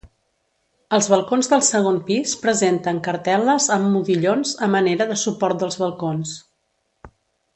Els balcons del segon pis presenten cartel·les amb modillons a manera de suport dels balcons.